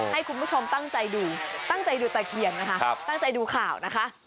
ให้คุณผู้ชมตั้งใจดูตั้งใจดูตะเคียนนะคะตั้งใจดูข่าวนะคะ